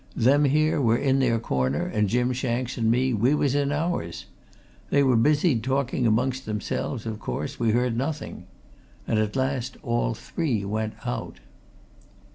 "Them here were in their corner, and Jim Shanks and me, we was in ours. They were busied talking amongst themselves of course, we heard nothing. And at last all three went out."